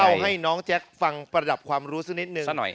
ให้น้องแจ๊คฟังประดับความรู้สักนิดนึง